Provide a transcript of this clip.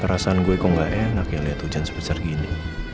perasaan gue kok gak enak ya lihat hujan sebesar gini